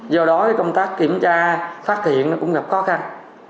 do đó công tác kiểm tra phát hiện cũng gặp khó khăn